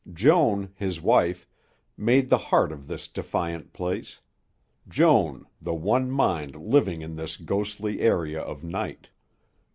Joan, his wife, made the heart of this defiant space Joan, the one mind living in this ghostly area of night.